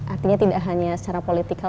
artinya tidak hanya secara politikal